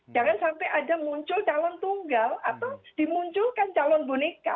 jangan sampai ada muncul calon tunggal atau dimunculkan calon boneka